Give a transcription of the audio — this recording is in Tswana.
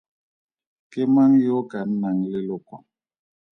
Ke mang yo o ka nnang leloko?